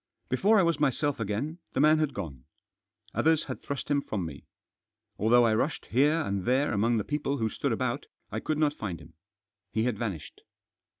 Before I was myself again, the man had gone. Others had thrust him from me. Although I rushed here and there among the people who stood about I could not find him. He had vanished.